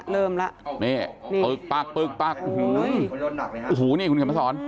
เริ่มแล้ว